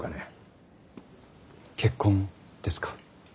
結婚ですか？